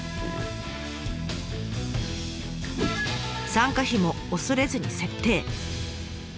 参加費も恐れずに設定。